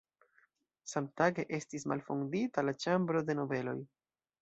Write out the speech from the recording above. Samtage estis malfondita la Ĉambro de Nobeloj.